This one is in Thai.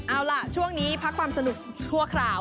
เอาล่ะช่วงนี้พักความสนุกชั่วคราว